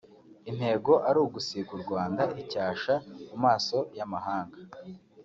intego ari ugusiga u Rwanda icyasha mu maso y’amahanga